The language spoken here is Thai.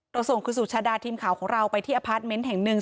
ส่งคุณสุชาดาทีมข่าวของเราไปที่อพาร์ทเมนต์แห่งหนึ่ง